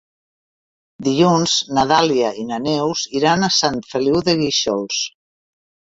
Dilluns na Dàlia i na Neus iran a Sant Feliu de Guíxols.